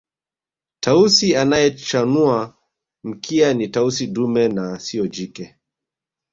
Tausi anayechanua mkia ni Tausi dume na siyo jike